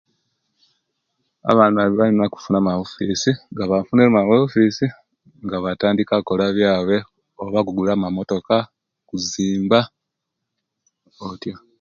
Abaana balina okufuna amawofisi nga bafunire amawofisi abwo nga batandika okola ebiyaibwe oba kugula mamotaka oba kuzimba otiyo